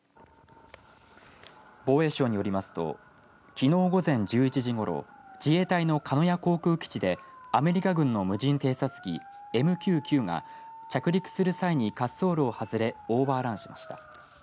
防衛省によりますときのう午前１１時ごろ自衛隊の鹿屋航空基地でアメリカ軍の無人偵察機ＭＱ９が着陸する際に滑走路を外れオーバーランしました。